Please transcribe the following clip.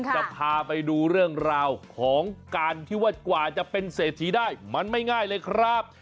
จะพาไปดูเรื่องราวของการที่ว่ากว่าจะเป็นเศรษฐีได้มันไม่ง่ายเลยครับ